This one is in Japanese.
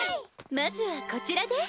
まずはこちらです。